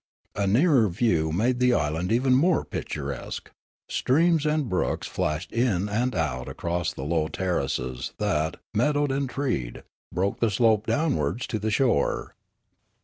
A nearer view made the island even picturesque ; streams and brooks flashed in and out across the low terraces that, mead owed and treed, broke the slope downwards to the shore.